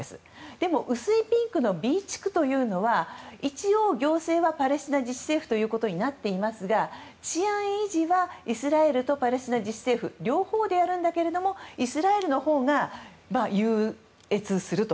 でも、薄いピンクのＢ地区は一応、行政はパレスチナ自治政府となっていますが治安維持はイスラエルとパレスチナ自治政府両方でやるんだけれどもイスラエルのほうが優越すると。